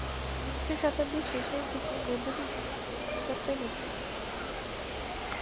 বিংশ শতাব্দীর শেষের দিকে বৈদ্যুতিন যোগাযোগের অগ্রযাত্রায় নতুনত্ব যোগ হয়েছে।